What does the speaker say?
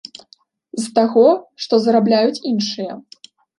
З таго, што зарабляюць іншыя.